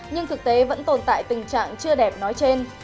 nhưng thực tế vẫn tồn tại tình trạng chưa đẹp nói trên